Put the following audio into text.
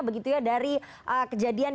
begitu ya dari kejadian